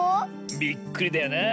びっくりだよなあ。